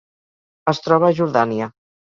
Es troba a Jordània.